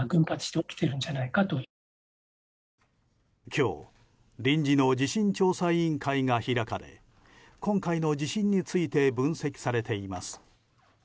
今日臨時の地震調査委員会が開かれ今回の地震について分析されています。